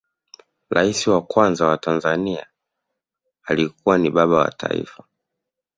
rais wa kwanza wa tanzania alikuwa ni baba wa taifa